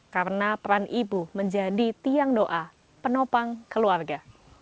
karena peran ibu menjadi tiang doa penopang keluarga